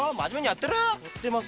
やってますよ！